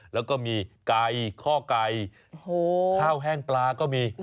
แล้วก็มีไก่ข้อไก่ข้าวแห้งปลาก็มี